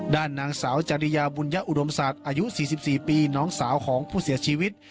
ด้านนางสาวจริยาบุญยอุดมศักดิ์อายุ๔๔ปีน้องสาวของผู้เสียชีวิต